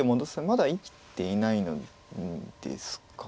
まだ生きていないのですか。